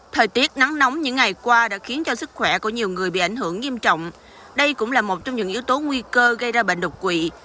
thời tiết nắng nóng những ngày qua đã khiến cho sức khỏe của nhiều người bị ảnh hưởng nghiêm trọng đây cũng là một trong những yếu tố nguy cơ gây ra bệnh đột quỵ